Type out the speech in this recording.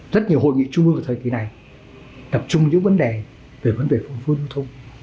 rất nhiều hội nghị trung ương thời kỳ này tập trung những vấn đề về vấn đề phòng phương du thông